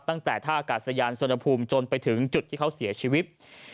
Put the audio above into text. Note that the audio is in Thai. ตั้งแต่ท่าอากาศยานสวนภูมิจนไปถึงจุดที่เขาเสียชีวิต